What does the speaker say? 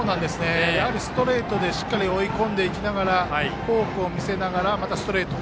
やはりストレートでしっかり追い込んでいきながらフォークを見せながらまたストレート。